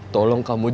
tolong kamu jatuh